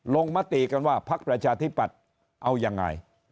มติกันว่าพักประชาธิปัตย์เอายังไง